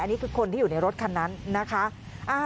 อันนี้คือคนที่อยู่ในรถคันนั้นนะคะ